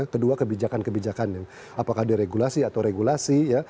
kedua kebijakan kebijakan apakah deregulasi atau regulasi ya